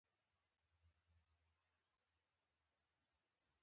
هره لوحه د زده کوونکي مهارت څرګنداوه.